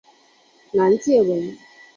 南界为。